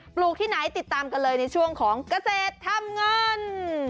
ลูกที่ไหนติดตามกันเลยในช่วงของเกษตรทำเงิน